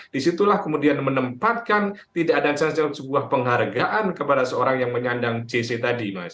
disitulah kemudian menempatkan tidak ada sebuah penghargaan kepada seorang yang menyandang jc tadi mas